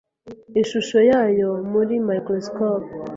ishusho yayo muri microscope